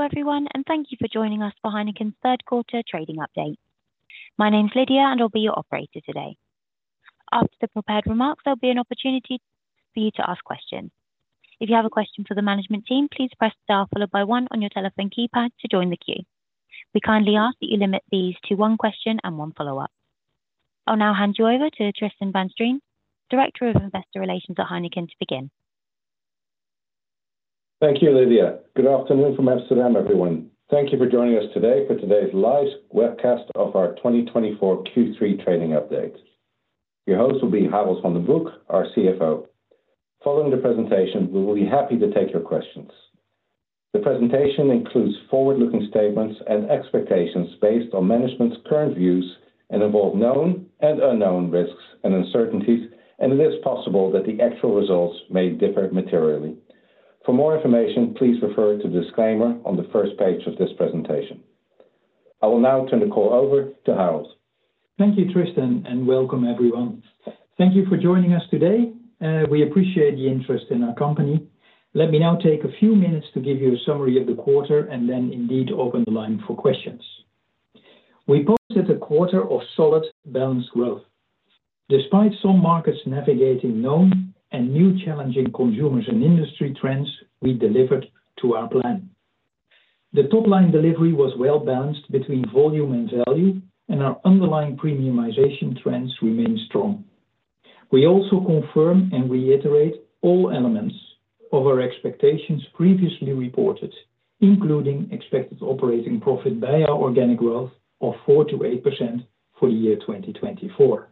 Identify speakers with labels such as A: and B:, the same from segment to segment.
A: Hello, everyone, and thank you for joining us for Heineken's third quarter trading update. My name is Lydia, and I'll be your operator today. After the prepared remarks, there'll be an opportunity for you to ask questions. If you have a question for the management team, please press star followed by one on your telephone keypad to join the queue. We kindly ask that you limit these to one question and one follow-up. I'll now hand you over to Tristan van Strien, Director of Investor Relations at Heineken, to begin.
B: Thank you, Lydia. Good afternoon from Amsterdam, everyone. Thank you for joining us today for today's live webcast of our twenty twenty-four Q3 trading update. Your host will be Harold van den Broek, our CFO. Following the presentation, we will be happy to take your questions. The presentation includes forward-looking statements and expectations based on management's current views and involve known and unknown risks and uncertainties, and it is possible that the actual results may differ materially. For more information, please refer to the disclaimer on the first page of this presentation. I will now turn the call over to Harold.
C: Thank you, Tristan, and welcome everyone. Thank you for joining us today. We appreciate the interest in our company. Let me now take a few minutes to give you a summary of the quarter and then indeed open the line for questions. We posted a quarter of solid balanced growth. Despite some markets navigating known and new challenging consumers and industry trends, we delivered to our plan. The top-line delivery was well-balanced between volume and value, and our underlying premiumization trends remain strong. We also confirm and reiterate all elements of our expectations previously reported, including expected operating profit BEIA organic growth of 4%-8% for the year 2024.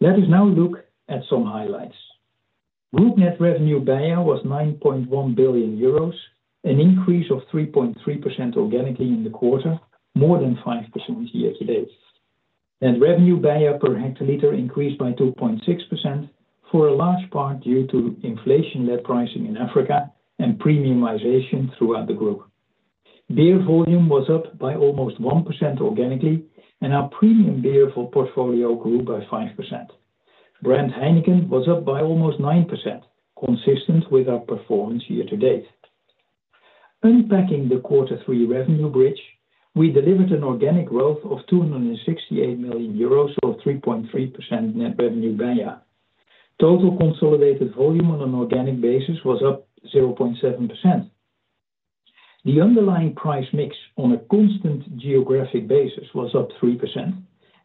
C: Let us now look at some highlights. Group net revenue beer was 9.1 billion euros, an increase of 3.3% organically in the quarter, more than 5% year to date. Net revenue beer per hectoliter increased by 2.6%, for a large part due to inflation-led pricing in Africa and premiumization throughout the group. Beer volume was up by almost 1% organically, and our premium beer portfolio grew by 5%. Brand Heineken was up by almost 9%, consistent with our performance year to date. Unpacking the quarter three revenue bridge, we delivered an organic growth of 268 million euros, or 3.3% net revenue beer. Total consolidated volume on an organic basis was up 0.7%. The underlying price mix on a constant geographic basis was up 3%,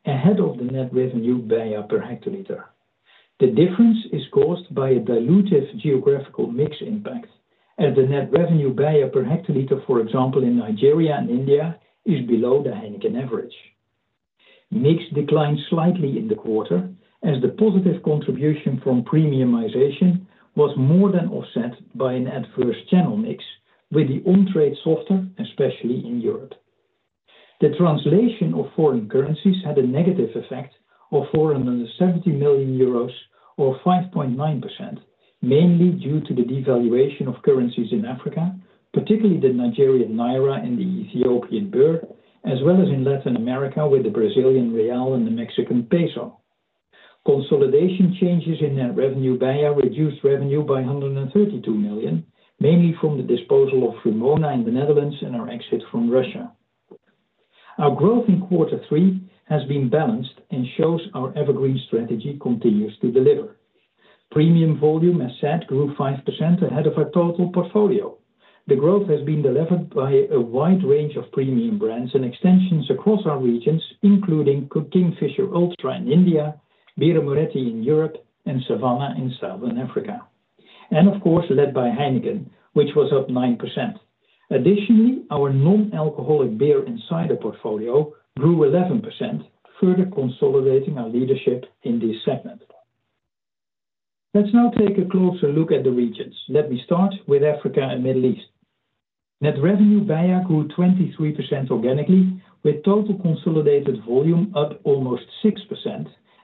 C: ahead of the net revenue beer per hectoliter. The difference is caused by a dilutive geographical mix impact, as the net revenue beer per hectoliter, for example, in Nigeria and India, is below the Heineken average. Mix declined slightly in the quarter as the positive contribution from premiumization was more than offset by an adverse channel mix, with the on-trade softer, especially in Europe. The translation of foreign currencies had a negative effect of 470 million euros or 5.9%, mainly due to the devaluation of currencies in Africa, particularly the Nigerian naira and the Ethiopian birr, as well as in Latin America with the Brazilian real and the Mexican peso. Consolidation changes in net revenue BEIA reduced revenue by 132 million, mainly from the disposal of Vrumona in the Netherlands and our exit from Russia. Our growth in quarter three has been balanced and shows our EverGreen strategy continues to deliver. Premium volume, as said, grew 5% ahead of our total portfolio. The growth has been delivered by a wide range of premium brands and extensions across our regions, including Kingfisher Ultra in India, Birra Moretti in Europe, and Savanna in Southern Africa, and of course, led by Heineken, which was up 9%. Additionally, our non-alcoholic beer and cider portfolio grew 11%, further consolidating our leadership in this segment. Let's now take a closer look at the regions. Let me start with Africa and Middle East. Net revenue beer grew 23% organically, with total consolidated volume up almost 6%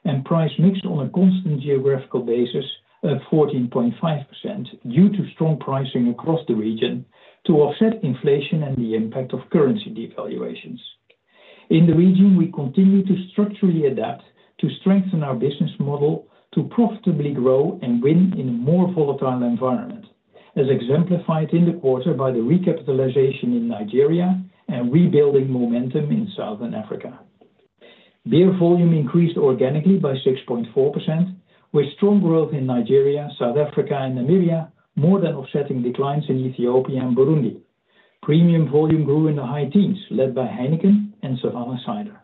C: and price mixed on a constant geographical basis of 14.5% due to strong pricing across the region to offset inflation and the impact of currency devaluations. In the region, we continue to structurally adapt to strengthen our business model, to profitably grow and win in a more volatile environment, as exemplified in the quarter by the recapitalization in Nigeria and rebuilding momentum in Southern Africa. Beer volume increased organically by 6.4%, with strong growth in Nigeria, South Africa, and Namibia, more than offsetting declines in Ethiopia and Burundi. Premium volume grew in the high teens, led by Heineken and Savanna.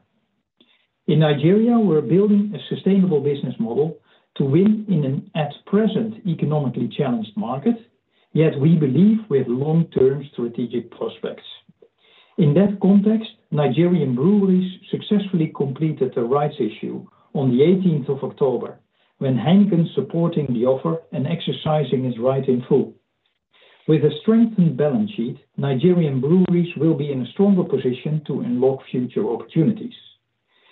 C: In Nigeria, we're building a sustainable business model to win in an at-present economically challenged market, yet we believe with long-term strategic prospects. In that context, Nigerian Breweries successfully completed a rights issue on the eighteenth of October, when Heineken supporting the offer and exercising its right in full. With a strengthened balance sheet, Nigerian Breweries will be in a stronger position to unlock future opportunities.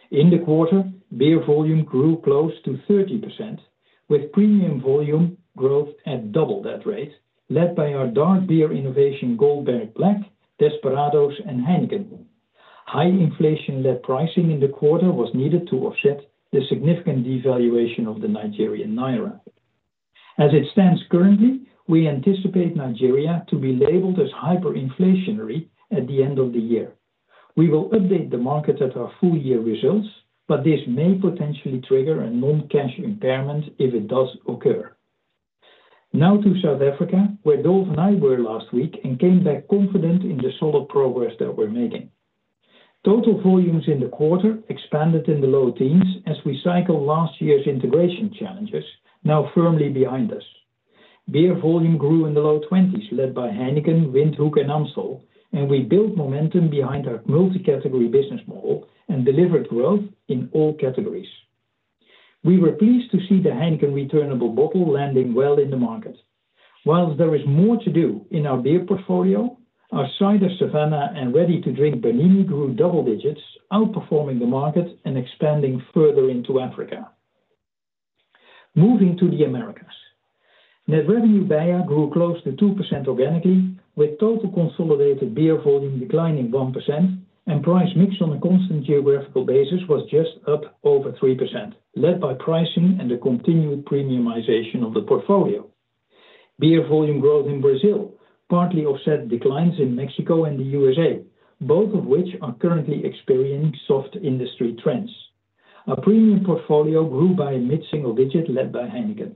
C: In the quarter, beer volume grew close to 30%, with premium volume growth at double that rate, led by our dark beer innovation, Goldberg Black, Desperados, and Heineken. High inflation-led pricing in the quarter was needed to offset the significant devaluation of the Nigerian naira, as it stands currently, we anticipate Nigeria to be labelled as hyperinflationary at the end of the year. We will update the market at our full year results, but this may potentially trigger a non-cash impairment if it does occur. Now to South Africa, where Dolf and I were last week and came back confident in the solid progress that we're making. Total volumes in the quarter expanded in the low teens as we cycle last year's integration challenges, now firmly behind us. Beer volume grew in the low twenties, led by Heineken, Windhoek, and Amstel, and we built momentum behind our multi-category business model and delivered growth in all categories. We were pleased to see the Heineken returnable bottle landing well in the market. While there is more to do in our beer portfolio, our cider Savanna and ready-to-drink Bernini grew double digits, outperforming the market and expanding further into Africa. Moving to the Americas. Net revenue BEIA grew close to 2% organically, with total consolidated beer volume declining 1% and price mix on a constant geographical basis was just up over 3%, led by pricing and the continued premiumization of the portfolio. Beer volume growth in Brazil partly offset declines in Mexico and the USA, both of which are currently experiencing soft industry trends. Our premium portfolio grew by a mid-single digit, led by Heineken.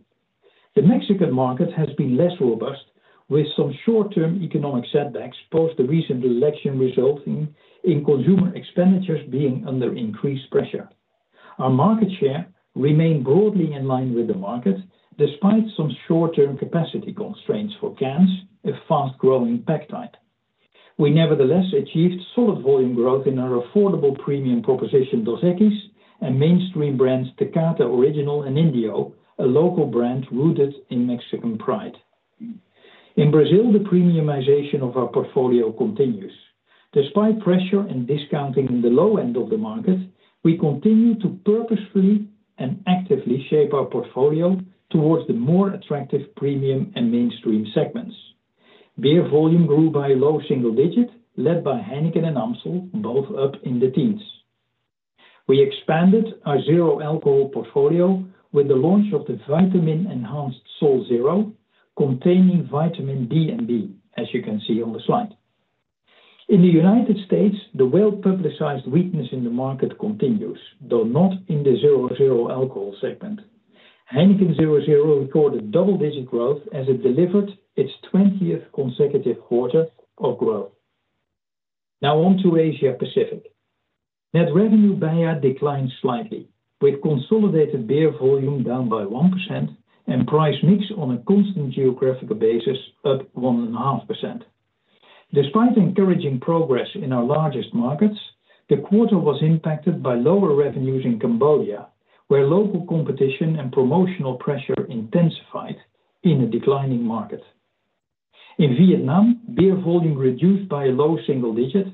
C: The Mexican market has been less robust, with some short-term economic setbacks post the recent election, resulting in consumer expenditures being under increased pressure. Our market share remained broadly in line with the market, despite some short-term capacity constraints for cans, a fast-growing pack type. We nevertheless achieved solid volume growth in our affordable premium proposition, Dos Equis, and mainstream brands, Tecate Original, and Indio, a local brand rooted in Mexican pride. In Brazil, the premiumization of our portfolio continues. Despite pressure and discounting in the low end of the market, we continue to purposefully and actively shape our portfolio towards the more attractive premium and mainstream segments. Beer volume grew by low single digits, led by Heineken and Amstel, both up in the teens. We expanded our zero-alcohol portfolio with the launch of the vitamin-enhanced Sol 0.0, containing vitamin D and B, as you can see on the slide. In the United States, the well-publicized weakness in the market continues, though not in the 0.0 alcohol segment. Heineken 0.0 recorded double-digit growth as it delivered its twentieth consecutive quarter of growth. Now on to Asia Pacific. Net revenue BEIA declined slightly, with consolidated beer volume down by 1% and price mix on a constant geographical basis up 1.5%. Despite encouraging progress in our largest markets, the quarter was impacted by lower revenues in Cambodia, where local competition and promotional pressure intensified in a declining market. In Vietnam, beer volume reduced by a low single digits,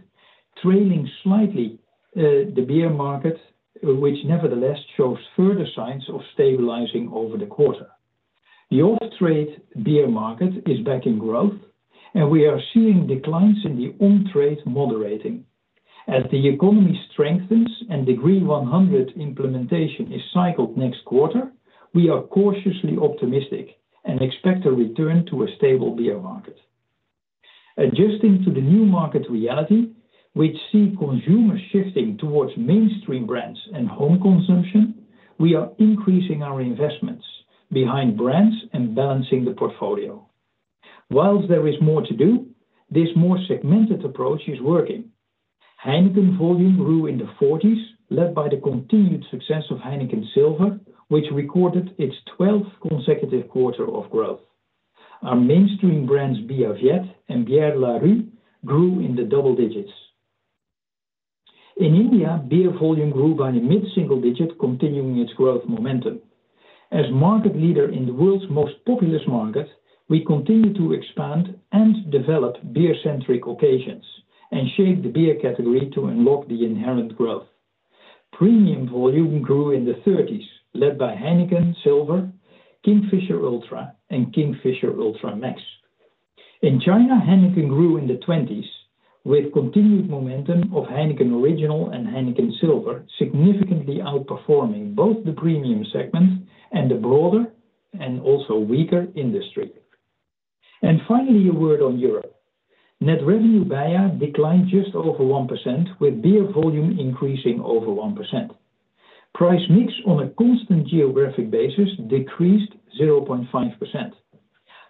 C: trailing slightly, the beer market, which nevertheless shows further signs of stabilizing over the quarter. The off-trade beer market is back in growth, and we are seeing declines in the on-trade moderating. As the economy strengthens and the Decree 100 implementation is cycled next quarter, we are cautiously optimistic and expect a return to a stable beer market. Adjusting to the new market reality, which see consumers shifting towards mainstream brands and home consumption, we are increasing our investments behind brands and balancing the portfolio. While there is more to do, this more segmented approach is working. Heineken volume grew in the forties, led by the continued success of Heineken Silver, which recorded its twelfth consecutive quarter of growth. Our mainstream brands, Bia Viet and Bière Larue, grew in the double digits. In India, beer volume grew by a mid-single digit, continuing its growth momentum. As market leader in the world's most populous market, we continue to expand and develop beer-centric occasions and shape the beer category to unlock the inherent growth. Premium volume grew in the thirties, led by Heineken, Silver, Kingfisher Ultra, and Kingfisher Ultra Max. In China, Heineken grew in the twenties, with continued momentum of Heineken Original and Heineken Silver, significantly outperforming both the premium segment and the broader and also weaker industry. Finally, a word on Europe. Net revenue BEIA declined just over 1%, with beer volume increasing over 1%. Price mix on a constant geographic basis decreased 0.5%.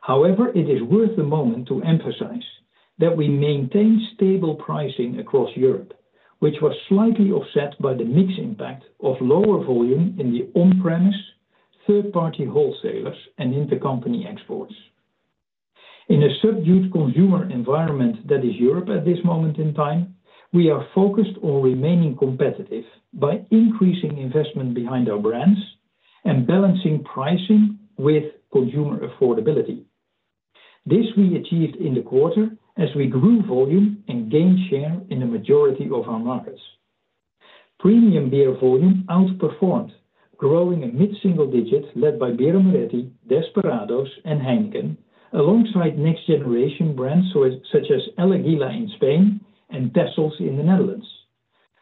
C: However, it is worth a moment to emphasize that we maintained stable pricing across Europe, which was slightly offset by the mix impact of lower volume in the on-trade, third-party wholesalers, and intercompany exports. In a subdued consumer environment that is Europe at this moment in time, we are focused on remaining competitive by increasing investment behind our brands and balancing pricing with consumer affordability. This we achieved in the quarter as we grew volume and gained share in a majority of our markets. Premium beer volume outperformed, growing in mid-single digits led by Birra Moretti, Desperados, and Heineken, alongside next-generation brands such as El Águila in Spain and Texels in the Netherlands.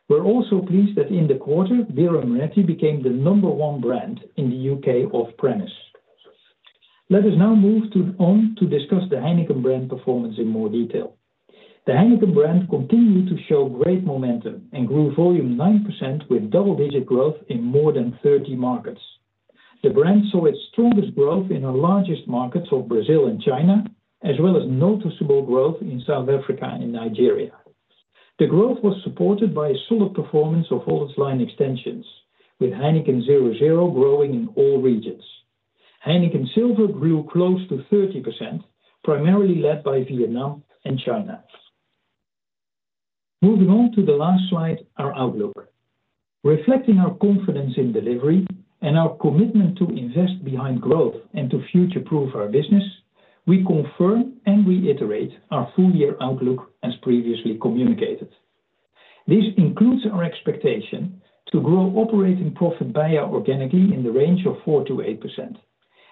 C: We're also pleased that in the quarter, Birra Moretti became the number one brand in the U.K. off-premise. Let us now move on to discuss the Heineken brand performance in more detail. The Heineken brand continued to show great momentum and grew volume 9% with double-digit growth in more than 30 markets. The brand saw its strongest growth in our largest markets of Brazil and China, as well as noticeable growth in South Africa and Nigeria. The growth was supported by a solid performance of all its line extensions, with Heineken Zero Zero growing in all regions. Heineken Silver grew close to 30%, primarily led by Vietnam and China. Moving on to the last slide, our outlook. Reflecting our confidence in delivery and our commitment to invest behind growth and to future-proof our business, we confirm and reiterate our full year outlook as previously communicated. This includes our expectation to grow operating profit BEIA organically in the range of 4%-8%,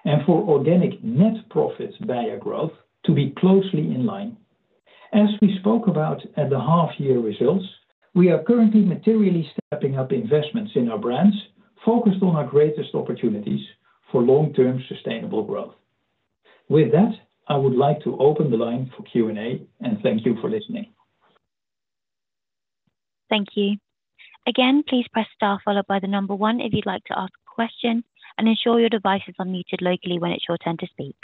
C: and for organic net profit BEIA growth to be closely in line. As we spoke about at the half year results, we are currently materially stepping up investments in our brands, focused on our greatest opportunities for long-term sustainable growth. With that, I would like to open the line for Q&A, and thank you for listening.
A: Thank you. Again, please press star followed by the number one if you'd like to ask a question, and ensure your devices are muted locally when it's your turn to speak.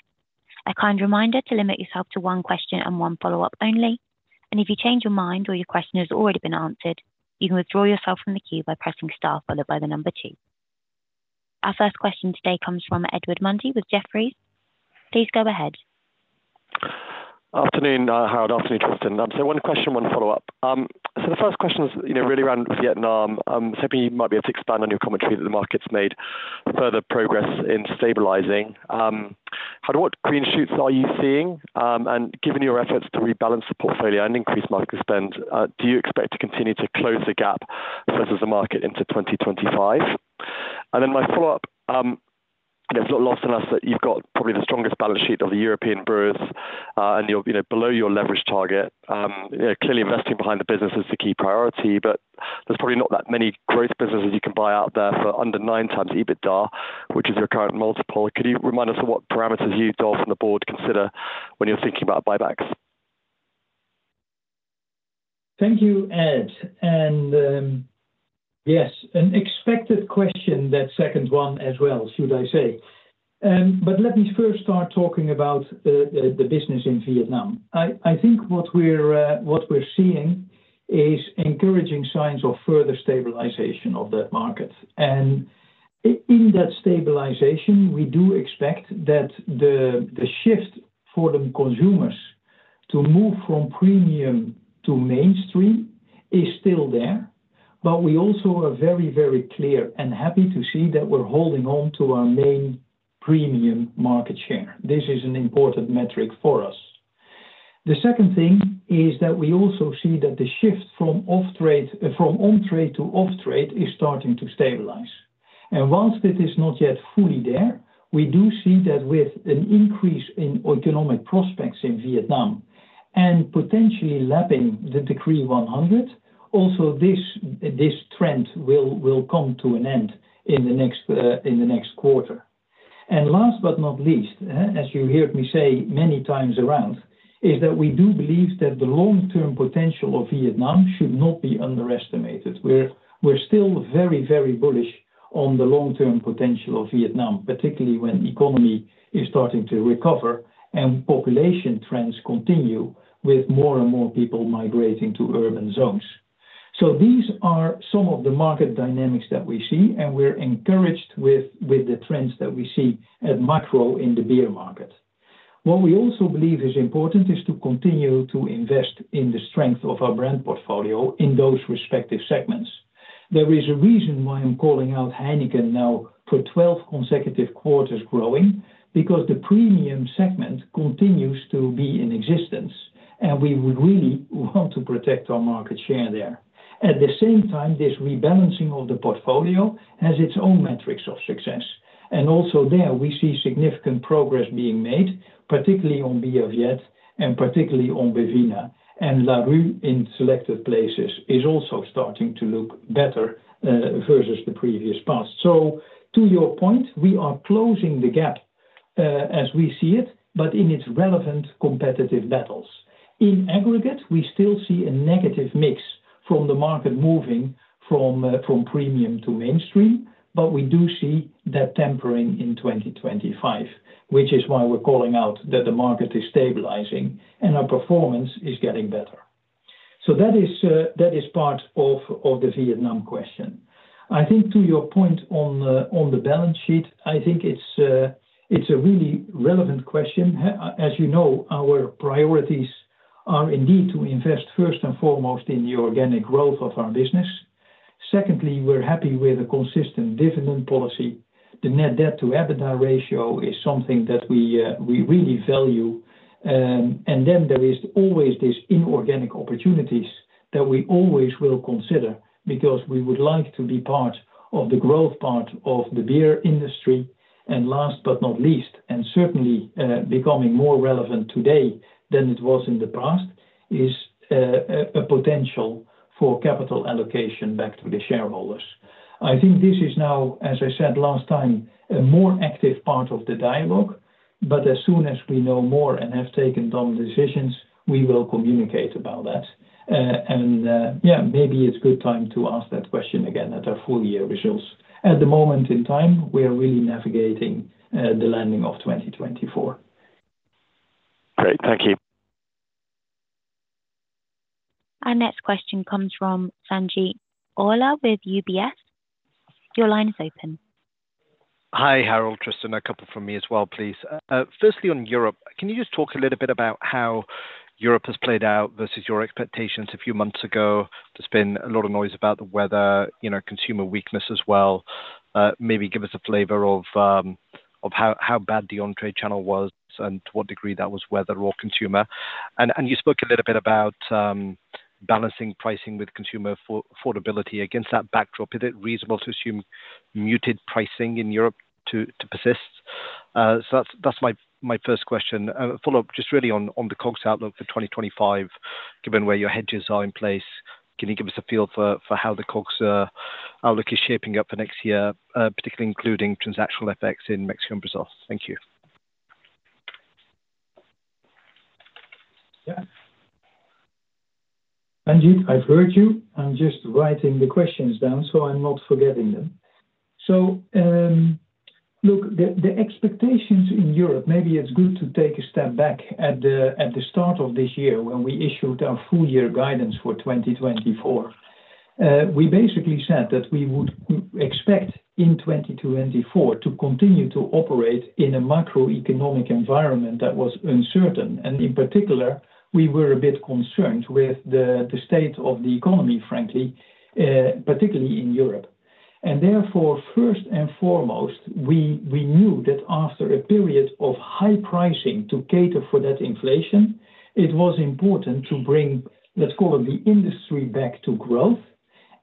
A: A kind reminder to limit yourself to one question and one follow-up only, and if you change your mind or your question has already been answered, you can withdraw yourself from the queue by pressing star followed by the number two. Our first question today comes from Edward Mundy with Jefferies. Please go ahead.
D: Afternoon, Harold. Afternoon, Tristan. So one question, one follow-up. So the first question is, you know, really around Vietnam. So maybe you might be able to expand on your commentary that the market's made further progress in stabilizing. But what green shoots are you seeing? And given your efforts to rebalance the portfolio and increase market spend, do you expect to continue to close the gap versus the market into 2025? And then my follow-up, it's not lost on us that you've got probably the strongest balance sheet of the European brewers, and you're, you know, below your leverage target. Yeah, clearly investing behind the business is the key priority, but there's probably not that many growth businesses you can buy out there for under nine times EBITDA, which is your current multiple. Could you remind us of what parameters you, Dolf, and the board consider when you're thinking about buybacks?
C: Thank you, Ed. Yes, an expected question, that second one as well, should I say. But let me first start talking about the business in Vietnam. I think what we're seeing is encouraging signs of further stabilization of that market. And in that stabilization, we do expect that the shift for the consumers to move from premium to mainstream is still there, but we also are very, very clear and happy to see that we're holding on to our main premium market share. This is an important metric for us. The second thing is that we also see that the shift from on-trade to off-trade is starting to stabilize. While it is not yet fully there, we do see that with an increase in economic prospects in Vietnam and potentially lapping the Decree 100, this trend will come to an end in the next quarter. Last but not least, as you heard me say many times around, we do believe that the long-term potential of Vietnam should not be underestimated. We're still very bullish on the long-term potential of Vietnam, particularly when economy is starting to recover and population trends continue, with more and more people migrating to urban zones. These are some of the market dynamics that we see, and we're encouraged with the trends that we see at macro in the beer market. What we also believe is important is to continue to invest in the strength of our brand portfolio in those respective segments. There is a reason why I'm calling out Heineken now for twelve consecutive quarters growing, because the premium segment continues to be in existence, and we would really want to protect our market share there. At the same time, this rebalancing of the portfolio has its own metrics of success, and also there, we see significant progress being made, particularly on Bia Viet and particularly on Bivina, and Larue in selected places is also starting to look better, versus the previous past. So to your point, we are closing the gap, as we see it, but in its relevant competitive battles. In aggregate, we still see a negative mix from the market moving from premium to mainstream, but we do see that tempering in 2025, which is why we're calling out that the market is stabilizing, and our performance is getting better, so that is part of the Vietnam question. I think to your point on the balance sheet, I think it's a really relevant question. As you know, our priorities are indeed to invest first and foremost in the organic growth of our business. Secondly, we're happy with a consistent dividend policy. The net debt to EBITDA ratio is something that we really value, and then there is always these inorganic opportunities that we always will consider because we would like to be part of the growth part of the beer industry. And last but not least, and certainly becoming more relevant today than it was in the past, is a potential for capital allocation back to the shareholders. I think this is now, as I said last time, a more active part of the dialogue, but as soon as we know more and have taken down decisions, we will communicate about that. And yeah, maybe it's a good time to ask that question again at our full year results. At the moment in time, we are really navigating the landing of twenty twenty-four.
D: Great. Thank you.
A: Our next question comes from Sanjeet Aujla with UBS. Your line is open.
E: Hi, Harold, Tristan, a couple from me as well, please. Firstly, on Europe, can you just talk a little bit about how Europe has played out versus your expectations a few months ago? There's been a lot of noise about the weather, you know, consumer weakness as well. Maybe give us a flavor of how bad the on-trade channel was and to what degree that was, weather or consumer. You spoke a little bit about balancing pricing with consumer affordability. Against that backdrop, is it reasonable to assume muted pricing in Europe to persist? So that's my first question. Follow-up, just really on the COGS outlook for 2025, given where your hedges are in place, can you give us a feel for how the COGS outlook is shaping up for next year, particularly including transactional effects in Mexico and Brazil? Thank you.
C: Yeah. Sanjeet, I've heard you. I'm just writing the questions down, so I'm not forgetting them. So, look, the expectations in Europe, maybe it's good to take a step back. At the start of this year, when we issued our full year guidance for twenty twenty-four, we basically said that we would expect in twenty twenty-four to continue to operate in a macroeconomic environment that was uncertain, and in particular, we were a bit concerned with the state of the economy, frankly, particularly in Europe. And therefore, first and foremost, we knew that after a period of high pricing to cater for that inflation, it was important to bring, let's call it, the industry back to growth,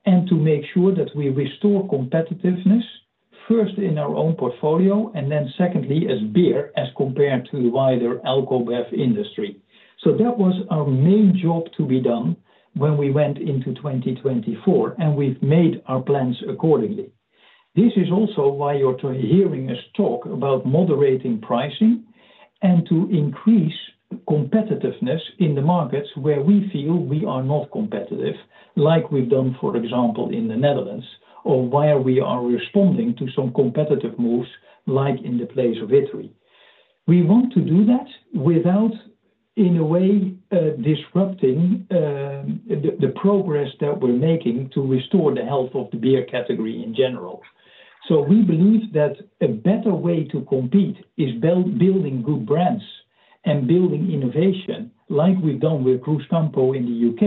C: and to make sure that we restore competitiveness, first in our own portfolio, and then secondly, as beer, as compared to the wider alcobev industry. So that was our main job to be done when we went into twenty twenty-four, and we've made our plans accordingly. This is also why you're hearing us talk about moderating pricing and to increase competitiveness in the markets where we feel we are not competitive, like we've done, for example, in the Netherlands, or where we are responding to some competitive moves, like in the case of Italy. We want to do that without, in a way, disrupting the progress that we're making to restore the health of the beer category in general. So we believe that a better way to compete is building good brands and building innovation, like we've done with Cruzcampo in the UK,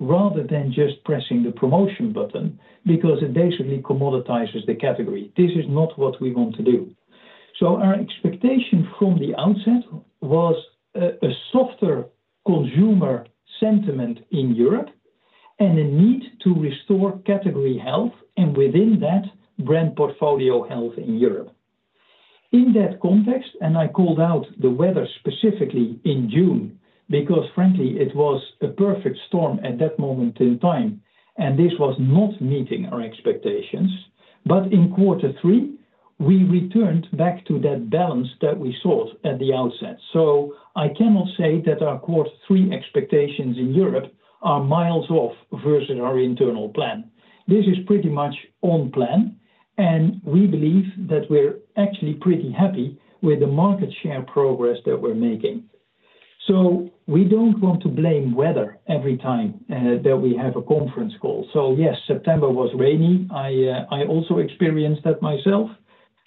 C: rather than just pressing the promotion button, because it basically commoditizes the category. This is not what we want to do. So our expectation from the outset was a softer consumer sentiment in Europe and a need to restore category health, and within that, brand portfolio health in Europe. In that context, and I called out the weather specifically in June, because frankly, it was a perfect storm at that moment in time, and this was not meeting our expectations. But in quarter three, we returned back to that balance that we sought at the outset. So I cannot say that our quarter three expectations in Europe are miles off versus our internal plan. This is pretty much on plan, and we believe that we're actually pretty happy with the market share progress that we're making. So we don't want to blame weather every time that we have a conference call. So yes, September was rainy. I, I also experienced that myself,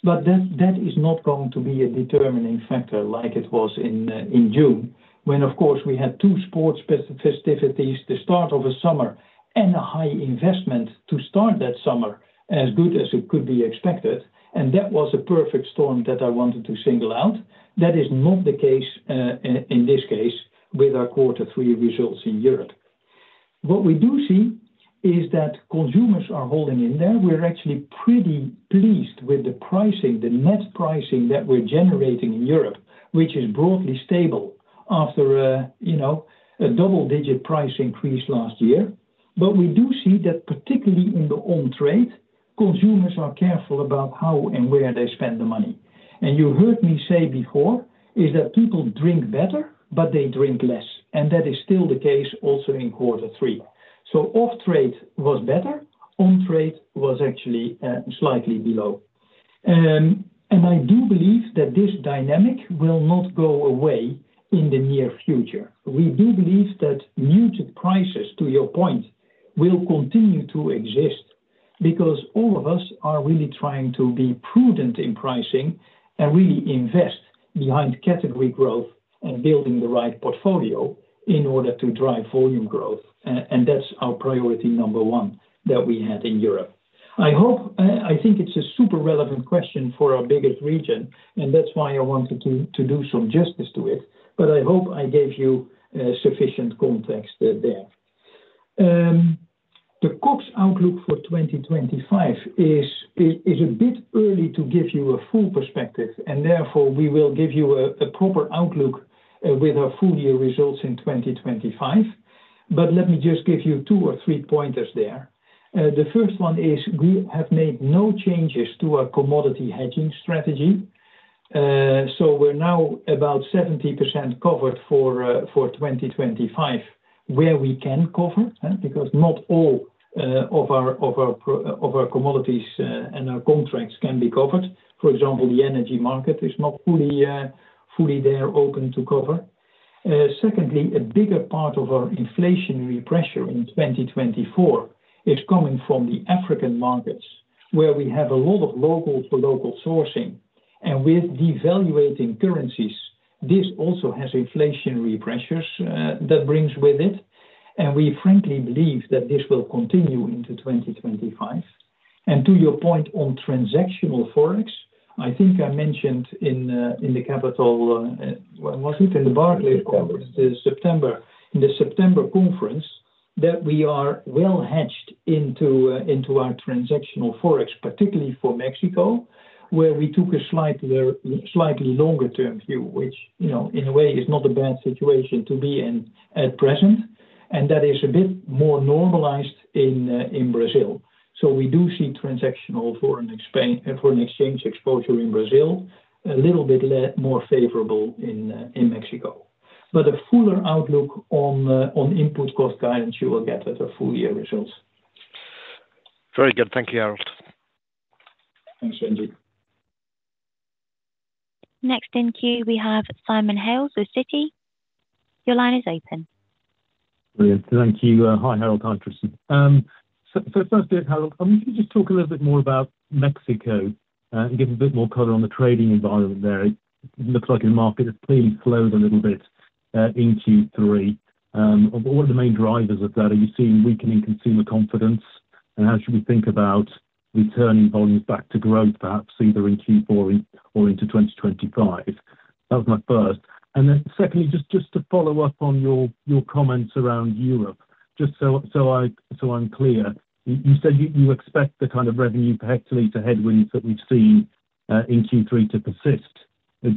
C: but that is not going to be a determining factor like it was in, in June, when, of course, we had two sports festivities, the start of a summer and a high investment to start that summer as good as it could be expected, and that was a perfect storm that I wanted to single out. That is not the case, in this case, with our quarter three results in Europe. What we do see is that consumers are holding in there. We're actually pretty pleased with the pricing, the net pricing that we're generating in Europe, which is broadly stable after, you know, a double-digit price increase last year, but we do see that, particularly in the on-trade, consumers are careful about how and where they spend the money. And you heard me say before, is that people drink better, but they drink less, and that is still the case also in quarter three. So off-trade was better, on-trade was actually slightly below. And I do believe that this dynamic will not go away in the near future. We do believe that muted prices, to your point, will continue to exist because all of us are really trying to be prudent in pricing and really invest behind category growth and building the right portfolio in order to drive volume growth. And that's our priority number one that we have in Europe. I hope... I think it's a super relevant question for our biggest region, and that's why I wanted to do some justice to it, but I hope I gave you sufficient context there. The COGS outlook for 2025 is a bit early to give you a full perspective, and therefore, we will give you a proper outlook with our full year results in 2025. But let me just give you two or three pointers there. The first one is, we have made no changes to our commodity hedging strategy. So we're now about 70% covered for 2025, where we can cover, right? Because not all of our commodities and our contracts can be covered. For example, the energy market is not fully open to cover. Secondly, a bigger part of our inflationary pressure in twenty twenty-four is coming from the African markets, where we have a lot of local-to-local sourcing, and with devaluing currencies, this also has inflationary pressures that brings with it, and we frankly believe that this will continue into twenty twenty-five. To your point on transactional Forex, I think I mentioned in the capital markets conference in September, that we are well hedged into our transactional Forex, particularly for Mexico, where we took a slightly longer term view, which, you know, in a way, is not a bad situation to be in at present, and that is a bit more normalized in Brazil. So we do see transactional foreign exchange, foreign exchange exposure in Brazil, a little bit more favorable in Mexico. But a fuller outlook on input cost guidance, you will get at our full year results.
B: Very good. Thank you, Harold.
C: Thanks, Sanjit.
A: Next in queue, we have Simon Hales with Citi. Your line is open.
F: Thank you. Hi, Harold, hi, Tristan. Firstly, Harold, can you just talk a little bit more about Mexico and give us a bit more color on the trading environment there? It looks like the market has clearly slowed a little bit in Q3. But what are the main drivers of that? Are you seeing weakening consumer confidence, and how should we think about returning volumes back to growth, perhaps either in Q4 or into twenty twenty-five? That was my first. And then secondly, just to follow up on your comments around Europe, just so I'm clear, you said you expect the kind of revenue per hectoliter headwinds that we've seen in Q3 to persist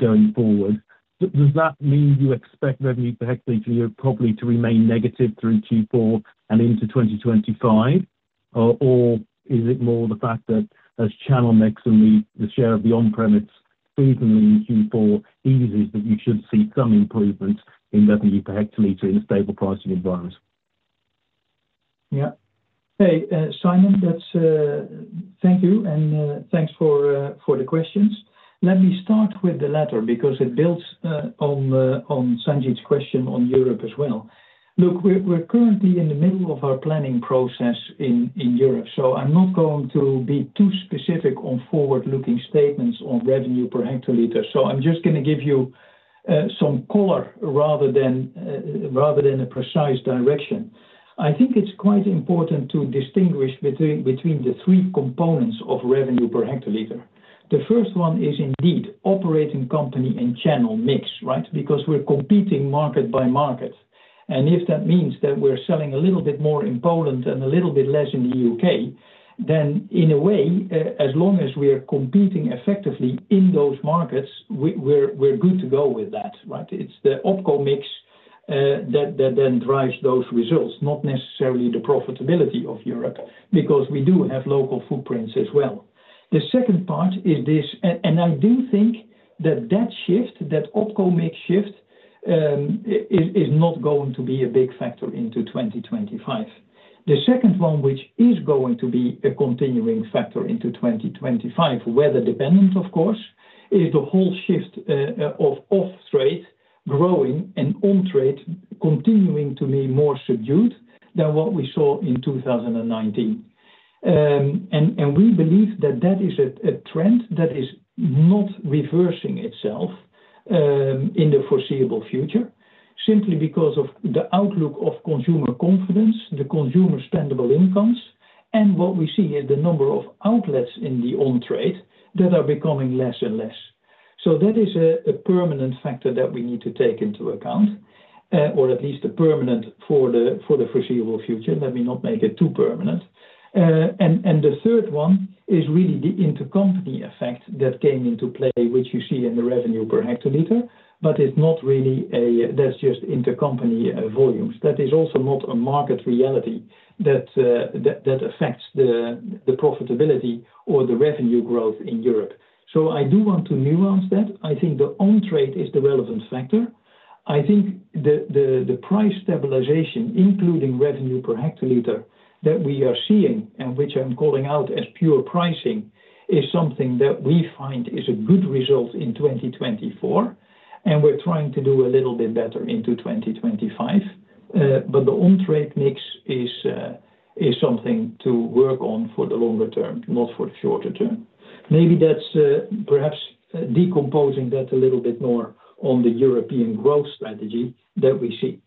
F: going forward. Does that mean you expect revenue per hectoliter probably to remain negative through Q4 and into twenty twenty-five? Or is it more the fact that as channel mix and the share of the on-trade, even in Q4 eases, that you should see some improvements in revenue per hectoliter in a stable pricing environment?
C: Yeah. Hey, Simon, that's... Thank you, and thanks for the questions. Let me start with the latter, because it builds on Sanjeet's question on Europe as well. Look, we're currently in the middle of our planning process in Europe, so I'm not going to be too specific on forward-looking statements on revenue per hectoliter. So I'm just gonna give you some color rather than a precise direction. I think it's quite important to distinguish between the three components of revenue per hectoliter. The first one is indeed operating company and channel mix, right? Because we're competing market by market, and if that means that we're selling a little bit more in Poland and a little bit less in the U.K., then, in a way, as long as we are competing effectively in those markets, we're good to go with that, right? It's the opco mix that then drives those results, not necessarily the profitability of Europe, because we do have local footprints as well. The second part is this, and I do think that that shift, that opco mix shift, is not going to be a big factor into twenty twenty-five. The second one, which is going to be a continuing factor into twenty twenty-five, weather dependent, of course, is the whole shift of off-trade growing and on-trade continuing to be more subdued than what we saw in two thousand and nineteen. And we believe that is a trend that is not reversing itself in the foreseeable future, simply because of the outlook of consumer confidence, the consumer spendable incomes, and what we see is the number of outlets in the on-trade that are becoming less and less. So that is a permanent factor that we need to take into account, or at least a permanent for the foreseeable future. Let me not make it too permanent. And the third one is really the intercompany effect that came into play, which you see in the revenue per hectoliter, but it's not really a... That's just intercompany volumes. That is also not a market reality that affects the profitability or the revenue growth in Europe. So I do want to nuance that. I think the on-trade is the relevant factor. I think the price stabilization, including revenue per hectoliter, that we are seeing and which I'm calling out as pure pricing, is something that we find is a good result in twenty twenty-four, and we're trying to do a little bit better into twenty twenty-five. But the on-trade mix is something to work on for the longer term, not for the shorter term. Maybe that's perhaps decomposing that a little bit more on the European growth strategy that we see.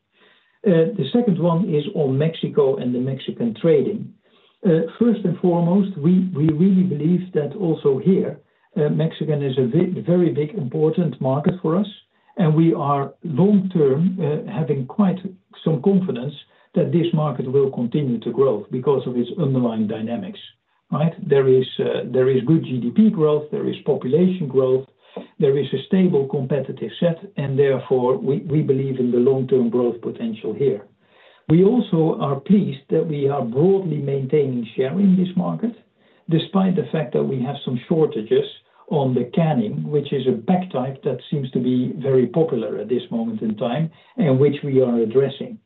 C: The second one is on Mexico and the Mexican trading. First and foremost, we really believe that also here Mexican is a very big important market for us, and we are long-term having quite some confidence that this market will continue to grow because of its underlying dynamics… right? There is good GDP growth, there is population growth, there is a stable, competitive set, and therefore, we believe in the long-term growth potential here. We also are pleased that we are broadly maintaining share in this market, despite the fact that we have some shortages on the canning, which is a pack type that seems to be very popular at this moment in time, and which we are addressing.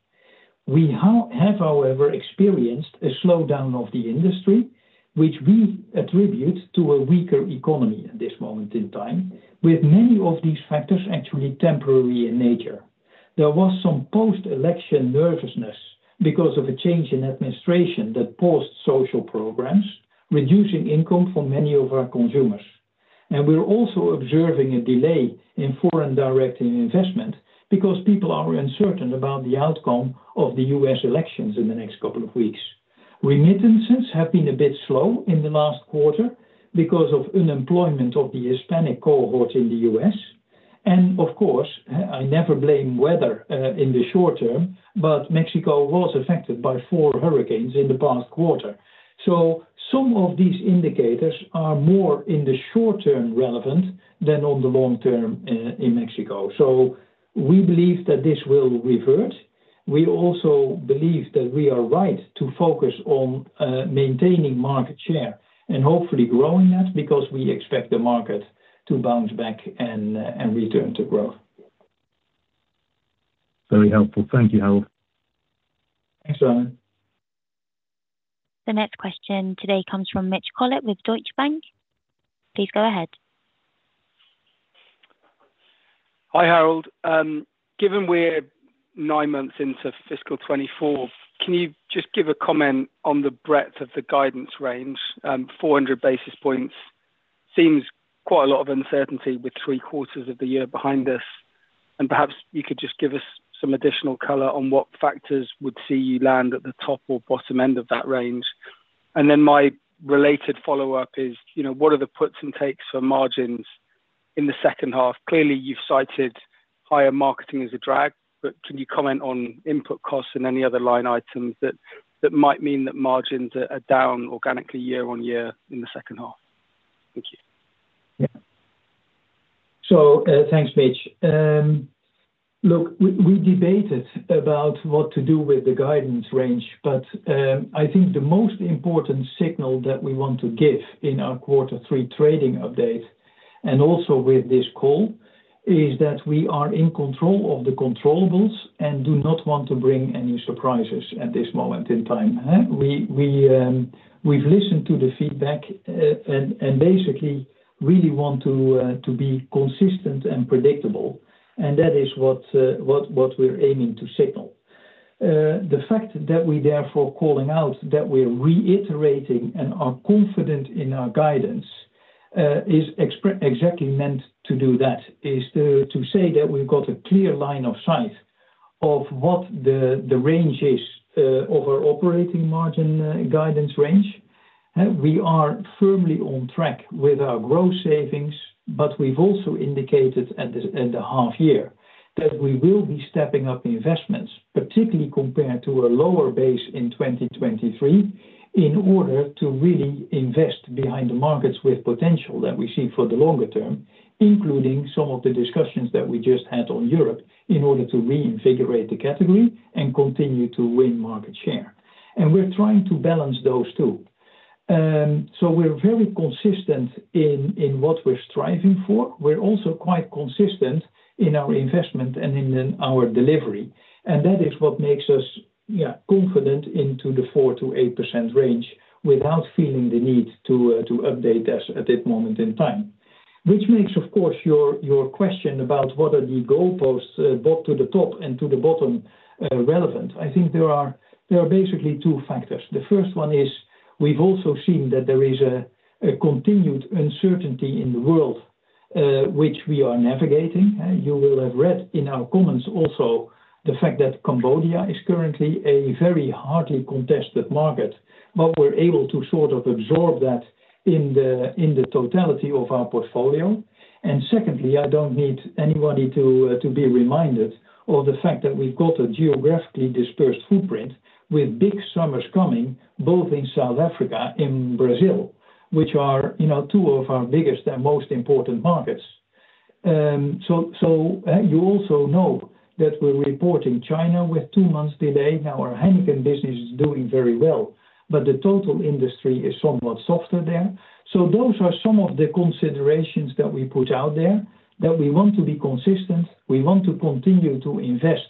C: We have, however, experienced a slowdown of the industry, which we attribute to a weaker economy at this moment in time, with many of these factors actually temporary in nature. There was some post-election nervousness because of a change in administration that paused social programs, reducing income for many of our consumers, and we're also observing a delay in foreign direct investment, because people are uncertain about the outcome of the U.S. Elections in the next couple of weeks. Remittances have been a bit slow in the last quarter because of unemployment of the Hispanic cohort in the U.S. And of course, I never blame weather in the short term, but Mexico was affected by four hurricanes in the past quarter. So some of these indicators are more in the short term relevant than on the long term in Mexico. So we believe that this will revert. We also believe that we are right to focus on maintaining market share and hopefully growing that, because we expect the market to bounce back and return to growth.
F: Very helpful. Thank you, Harold.
C: Thanks, Simon.
A: The next question today comes from Mitch Collett with Deutsche Bank. Please go ahead.
G: Hi, Harold. Given we're nine months into fiscal twenty-four, can you just give a comment on the breadth of the guidance range? Four hundred basis points seems quite a lot of uncertainty with three quarters of the year behind us, and perhaps you could just give us some additional color on what factors would see you land at the top or bottom end of that range. And then, my related follow-up is, you know, what are the puts and takes for margins in the second half? Clearly, you've cited higher marketing as a drag, but can you comment on input costs and any other line items that might mean that margins are down organically year on year in the second half? Thank you.
C: Yeah, so thanks, Mitch. Look, we debated about what to do with the guidance range, but I think the most important signal that we want to give in our quarter three trading update, and also with this call, is that we are in control of the controllables and do not want to bring any surprises at this moment in time. We've listened to the feedback, and basically really want to be consistent and predictable, and that is what we're aiming to signal. The fact that we're therefore calling out, that we're reiterating and are confident in our guidance, is exactly meant to do that, is to say that we've got a clear line of sight of what the range is, of our operating margin guidance range. We are firmly on track with our growth savings, but we've also indicated at the half year that we will be stepping up the investments, particularly compared to a lower base in 2023, in order to really invest behind the markets with potential that we see for the longer term, including some of the discussions that we just had on Europe, in order to reinvigorate the category and continue to win market share, and we're trying to balance those two. So we're very consistent in what we're striving for. We're also quite consistent in our investment and in then our delivery, and that is what makes us, yeah, confident into the 4%-8% range without feeling the need to update as at this moment in time. Which makes, of course, your question about what are the goalposts both to the top and to the bottom relevant. I think there are basically two factors. The first one is we've also seen that there is a continued uncertainty in the world, which we are navigating. You will have read in our comments also the fact that Cambodia is currently a very hotly contested market, but we're able to sort of absorb that in the totality of our portfolio, and secondly, I don't need anybody to be reminded of the fact that we've got a geographically dispersed footprint with big summers coming, both in South Africa, in Brazil, which are, you know, two of our biggest and most important markets, so you also know that we're reporting China with two months today. Now, our Heineken business is doing very well, but the total industry is somewhat softer there. So those are some of the considerations that we put out there, that we want to be consistent, we want to continue to invest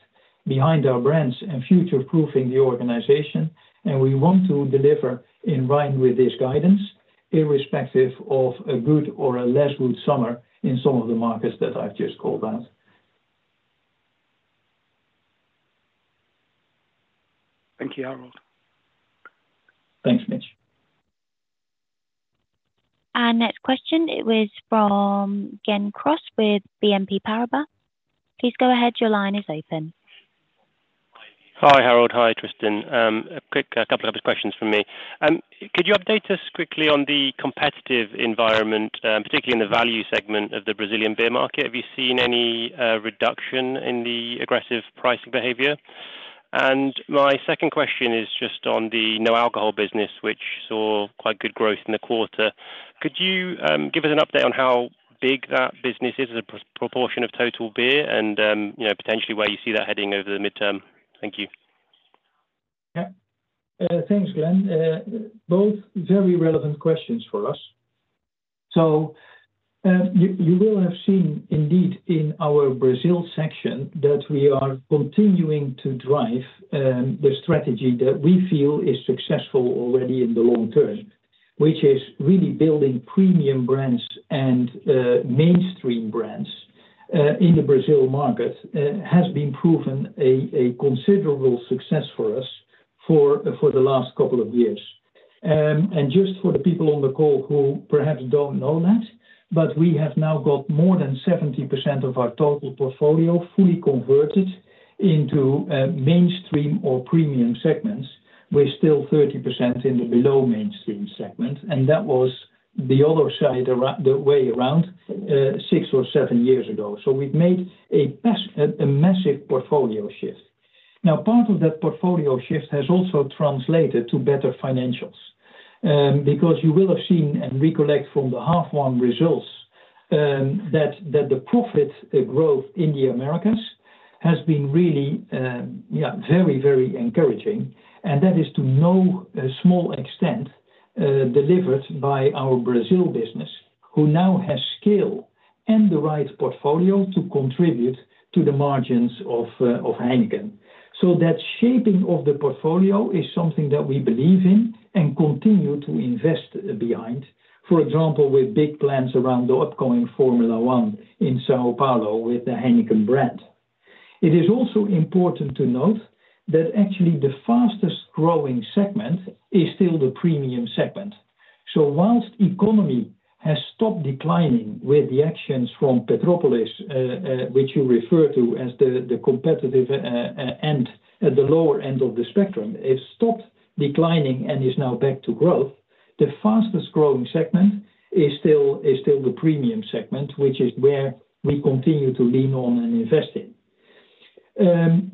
C: behind our brands and future-proofing the organization, and we want to deliver in line with this guidance, irrespective of a good or a less good summer in some of the markets that I've just called out.
G: Thank you, Harold.
C: Thanks, Mitch.
A: Our next question, it was from Glenn Cross with BNP Paribas. Please go ahead. Your line is open.
H: Hi, Harold. Hi, Tristan. A couple of obvious questions from me. Could you update us quickly on the competitive environment, particularly in the value segment of the Brazilian beer market? Have you seen any reduction in the aggressive pricing behavior? And my second question is just on the no alcohol business, which saw quite good growth in the quarter. Could you give us an update on how big that business is as a proportion of total beer and, you know, potentially where you see that heading over the midterm? Thank you.
C: Yeah. Thanks, Glenn. Both very relevant questions for us. So, you will have seen indeed in our Brazil section, that we are continuing to drive the strategy that we feel is successful already in the long term, which is really building premium brands and mainstream brands in the Brazil market. Has been proven a considerable success for us for the last couple of years. And just for the people on the call who perhaps don't know that, but we have now got more than 70% of our total portfolio fully converted into mainstream or premium segments. We're still 30% in the below mainstream segment, and that was the other side, the way around six or seven years ago. So we've made a massive portfolio shift. Now, part of that portfolio shift has also translated to better financials. Because you will have seen and recollect from the half one results, that the profit growth in the Americas has been really, yeah, very, very encouraging, and that is to no small extent delivered by our Brazil business, who now has scale and the right portfolio to contribute to the margins of Heineken. So that shaping of the portfolio is something that we believe in and continue to invest behind. For example, with big plans around the upcoming Formula One in São Paulo with the Heineken brand. It is also important to note that actually the fastest growing segment is still the premium segment. While the economy has stopped declining with the actions from Petrópolis, which you refer to as the competitive end at the lower end of the spectrum, it stopped declining and is now back to growth. The fastest growing segment is still the premium segment, which is where we continue to lean on and invest in.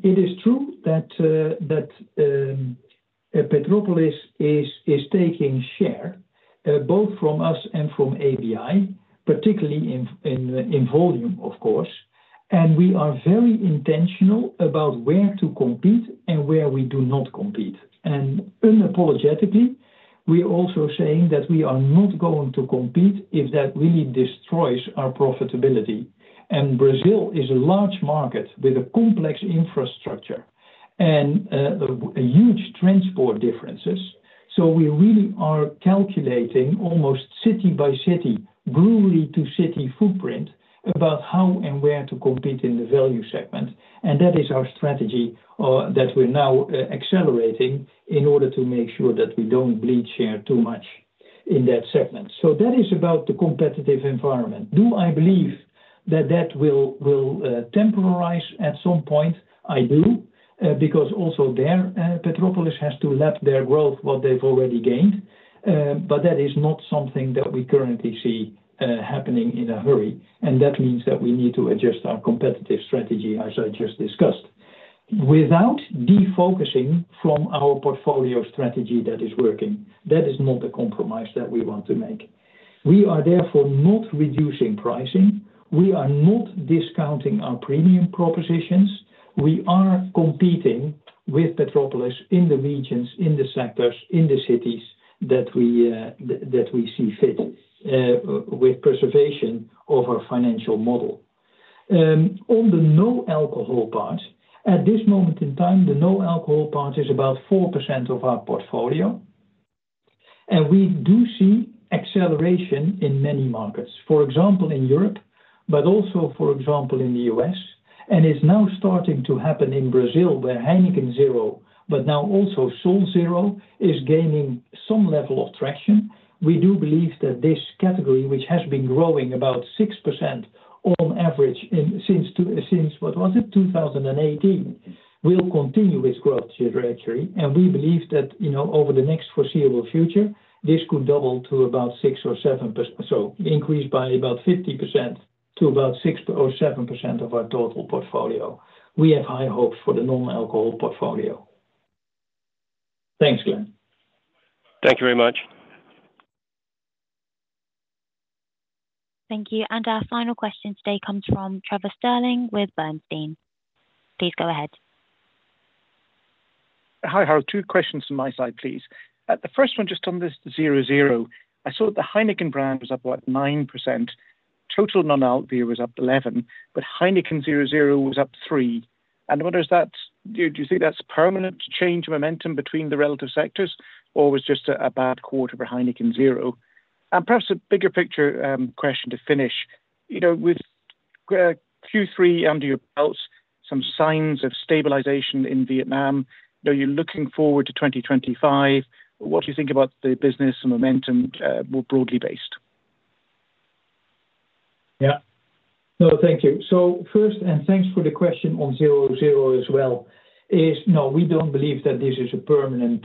C: It is true that Petrópolis is taking share both from us and from ABI, particularly in volume, of course, and we are very intentional about where to compete and where we do not compete. Unapologetically, we are also saying that we are not going to compete if that really destroys our profitability. Brazil is a large market with a complex infrastructure and a huge transport differences. So we really are calculating almost city by city, brewery to city footprint, about how and where to compete in the value segment, and that is our strategy that we're now accelerating in order to make sure that we don't bleed share too much in that segment. So that is about the competitive environment. Do I believe that that will temporize at some point? I do, because also there Petrópolis has to lap their growth, what they've already gained, but that is not something that we currently see happening in a hurry, and that means that we need to adjust our competitive strategy, as I just discussed, without defocusing from our portfolio strategy that is working. That is not a compromise that we want to make. We are therefore not reducing pricing. We are not discounting our premium propositions. We are competing with Petrópolis in the regions, in the sectors, in the cities that we see fit, with preservation of our financial model. On the no alcohol part, at this moment in time, the no alcohol part is about 4% of our portfolio, and we do see acceleration in many markets. For example, in Europe, but also, for example, in the U.S., and it's now starting to happen in Brazil, where Heineken Zero, but now also Sol Zero, is gaining some level of traction. We do believe that this category, which has been growing about 6% on average in, since two... Since, what was it? Two thousand and eighteen will continue its growth trajectory, and we believe that, you know, over the next foreseeable future, this could double to about 6% or 7%, so increase by about 50% to about 6% or 7% of our total portfolio. We have high hopes for the non-alcohol portfolio. Thanks, Glenn.
H: Thank you very much.
A: Thank you, and our final question today comes from Trevor Stirling with Bernstein. Please go ahead.
I: Hi, Harold. Two questions from my side, please. The first one, just on this 0.0. I saw that the Heineken brand was up, what? 9%. Total non-alc beer was up 11%, but Heineken 0.0 was up 3%. And whether is that... Do you think that's permanent change of momentum between the relative sectors, or was just a bad quarter for Heineken 0.0? And perhaps a bigger picture question to finish. You know, with Q3 under your belts, some signs of stabilization in Vietnam, now you're looking forward to 2025. What do you think about the business and momentum more broadly based?
C: Yeah. No, thank you. So first, and thanks for the question on 0.0 as well, is no, we don't believe that this is a permanent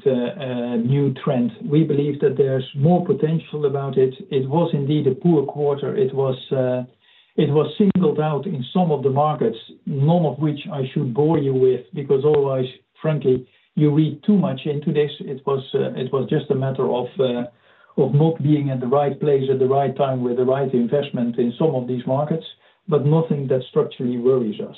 C: new trend. We believe that there's more potential about it. It was indeed a poor quarter. It was singled out in some of the markets, none of which I should bore you with, because otherwise, frankly, you read too much into this. It was just a matter of not being in the right place at the right time with the right investment in some of these markets, but nothing that structurally worries us,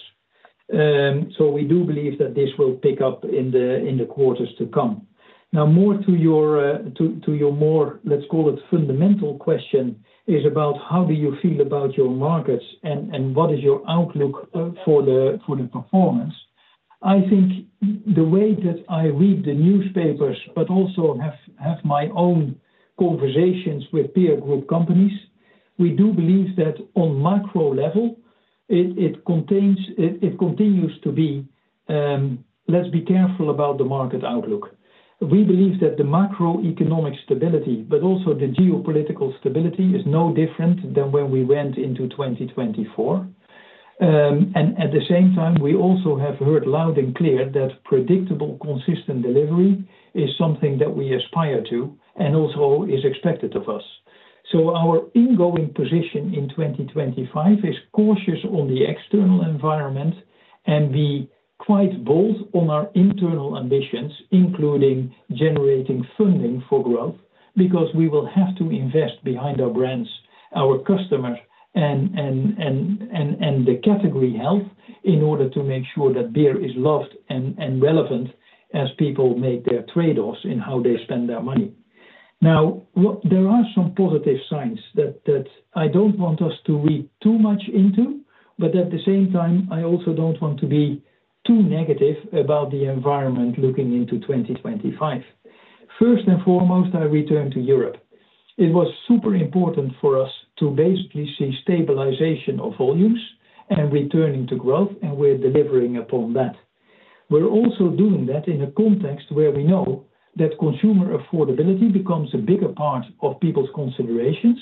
C: so we do believe that this will pick up in the quarters to come. Now, more to your, to your more, let's call it, fundamental question, is about how do you feel about your markets and what is your outlook for the performance? I think the way that I read the newspapers, but also have my own conversations with peer group companies, we do believe that on macro level, it continues to be, let's be careful about the market outlook. We believe that the macroeconomic stability, but also the geopolitical stability, is no different than where we went into twenty twenty-four, and at the same time, we also have heard loud and clear that predictable, consistent delivery is something that we aspire to and also is expected of us. Our ingoing position in 2025 is cautious on the external environment and be quite bold on our internal ambitions, including generating funding for growth, because we will have to invest behind our brands, our customers and the category health, in order to make sure that beer is loved and relevant as people make their trade-offs in how they spend their money. Now, there are some positive signs that I don't want us to read too much into, but at the same time, I also don't want to be too negative about the environment looking into 2025. First and foremost, I return to Europe. It was super important for us to basically see stabilization of volumes and returning to growth, and we're delivering upon that. We're also doing that in a context where we know that consumer affordability becomes a bigger part of people's considerations,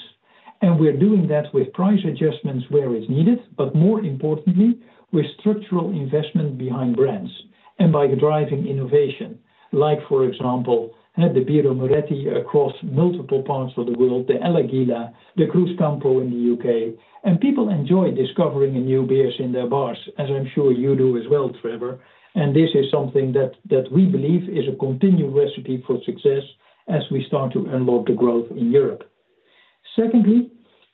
C: and we're doing that with price adjustments where it's needed, but more importantly, with structural investment behind brands and by driving innovation. Like, for example, the Birra Moretti across multiple parts of the world, the El Águila, the Cruzcampo in the UK, and people enjoy discovering new beers in their bars, as I'm sure you do as well, Trevor, and this is something that we believe is a continued recipe for success as we start to unlock the growth in Europe. Secondly,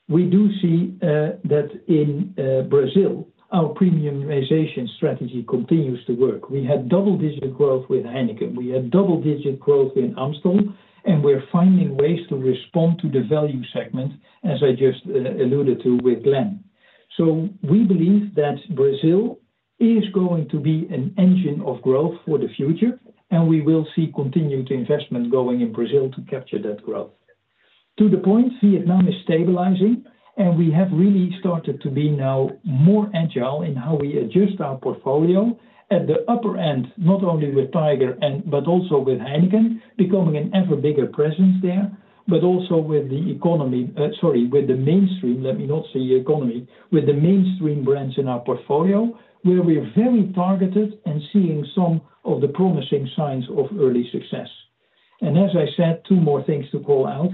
C: we do see that in Brazil, our premiumization strategy continues to work. We had double-digit growth with Heineken. We had double-digit growth in Amstel, and we're finding ways to respond to the value segment, as I just alluded to with Glenn. So we believe that Brazil is going to be an engine of growth for the future, and we will see continued investment going in Brazil to capture that growth. To the point, Vietnam is stabilizing, and we have really started to be now more agile in how we adjust our portfolio. At the upper end, not only with Tiger and, but also with Heineken, becoming an ever bigger presence there, but also with the economy... with the mainstream, let me not say economy, with the mainstream brands in our portfolio, where we are very targeted and seeing some of the promising signs of early success. And as I said, two more things to call out.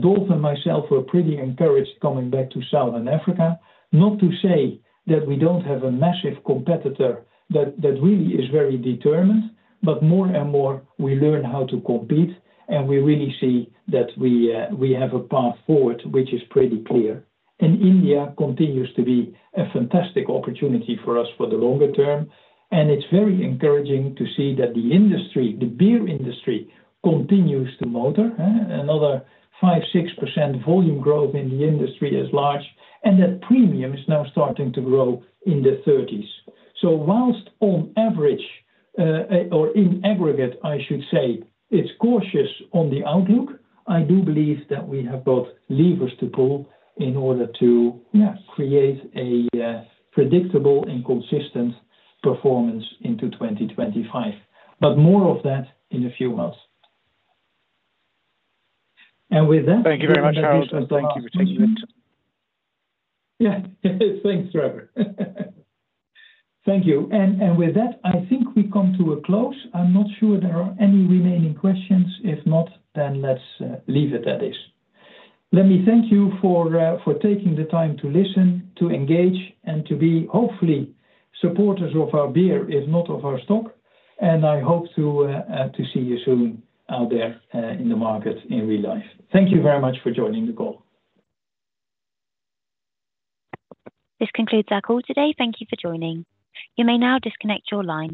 C: Dolf and myself were pretty encouraged coming back to Southern Africa. Not to say that we don't have a massive competitor that really is very determined, but more and more we learn how to compete, and we really see that we have a path forward, which is pretty clear. And India continues to be a fantastic opportunity for us for the longer term, and it's very encouraging to see that the industry, the beer industry, continues to motor, huh? Another 5-6% volume growth in the industry is large, and that premium is now starting to grow in the 30s. So while on average, or in aggregate, I should say, it's cautious on the outlook, I do believe that we have both levers to pull in order to create a predictable and consistent performance into 2025. But more of that in a few months. And with that-
B: Thank you very much, Harold. Thank you for taking it.
C: Yeah. Thanks, Trevor. Thank you. And with that, I think we come to a close. I'm not sure there are any remaining questions. If not, then let's leave it at this. Let me thank you for taking the time to listen, to engage, and to be, hopefully, supporters of our beer, if not of our stock, and I hope to see you soon out there in the market in real life. Thank you very much for joining the call.
A: This concludes our call today. Thank you for joining. You may now disconnect your line.